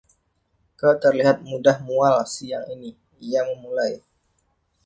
Kau terlihat mudah mual siang ini, ia memulai.